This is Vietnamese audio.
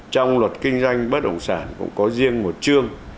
trong luật kinh doanh bất động sản cũng có riêng một chương